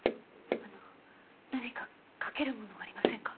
あの何か描けるものはありませんか？